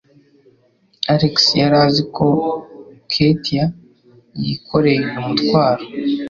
Alex yari azi ko Katie yikoreye uyu mutwaro?